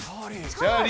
チャーリー？